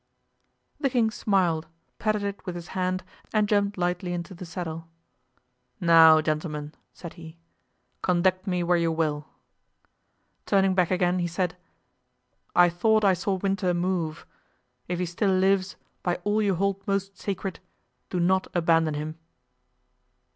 The king smiled, patted it with his hand and jumped lightly into the saddle. "Now, gentlemen," said he, "conduct me where you will." Turning back again, he said, "I thought I saw Winter move; if he still lives, by all you hold most sacred, do not abandon him."